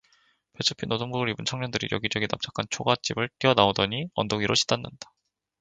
배춧빛 노동복을 입은 청년들이 여기저기서 납작한 초가집을 뛰어나오더니 언덕 위로 치닫는다.